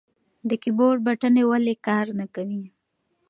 د کیبورډ بټنې ولې نه کار کوي؟